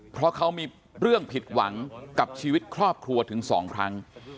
เพราะเขามีเรื่องผิดหวังกับชีวิตครอบครัวถึง๒ครั้ง